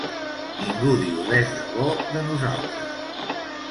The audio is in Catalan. Ningú diu res de bo de nosaltres.